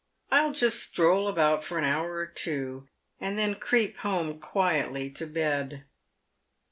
I'll just stroll about for an hour or two, and then creep home quietly to bed."